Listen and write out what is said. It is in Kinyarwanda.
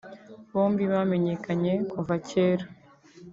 Bombi bamenyekanye kuva kera